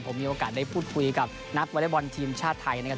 ผมมีโอกาสได้พูดคุยกับนักวอเล็กบอลทีมชาติไทยนะครับ